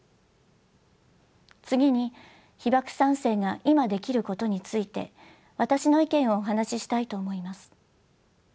次に被爆三世が今できることについて私の意見をお話ししたいと思います。